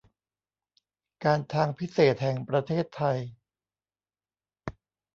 การทางพิเศษแห่งประเทศไทย